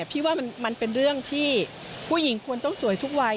พี่ว่ามันเป็นเรื่องที่ผู้หญิงควรต้องสวยทุกวัย